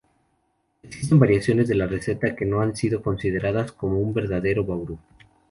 Existen variaciones de la receta que no han sido consideradas como un verdadero Bauru.